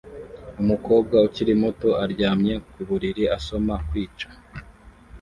Umukobwa ukiri muto aryamye ku buriri asoma "KWICA